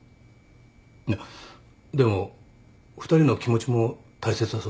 でも２人の気持ちも大切だぞ。